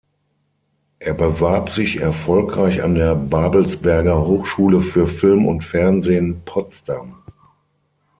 Er bewarb sich erfolgreich an der Babelsberger Hochschule für Film und Fernsehen Potsdam.